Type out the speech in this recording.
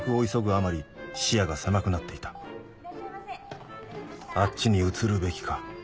あまり視野が狭くなっていたあっちに移るべきか